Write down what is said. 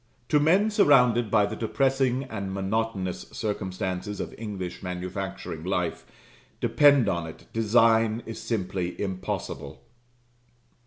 To men surrounded by the depressing and monotonous circumstances of English manufacturing life, depend upon it, design is simply impossible.